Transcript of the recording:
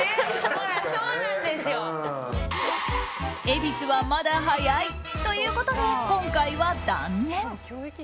恵比寿はまだ早いということで今回は断念。